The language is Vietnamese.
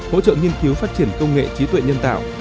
hỗ trợ nghiên cứu phát triển công nghệ trí tuệ nhân tạo